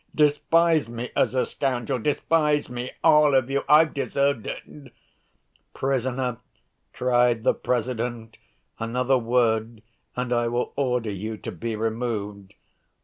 Despise me as a scoundrel, despise me, all of you! I've deserved it!" "Prisoner," cried the President, "another word and I will order you to be removed."